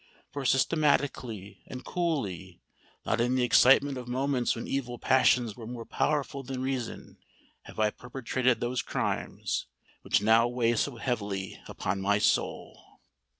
For systematically and coolly—not in the excitement of moments when evil passions were more powerful than reason—have I perpetrated those crimes which now weigh so heavily upon my soul!"